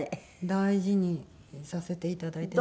大事にさせていただいて。